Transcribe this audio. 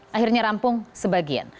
akhirnya rampung sebagian